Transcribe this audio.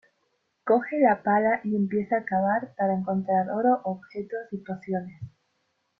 Coge la pala y empieza a cavar para encontrar oro, objetos y pociones.